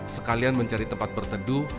sekalian mencari tempat berteduh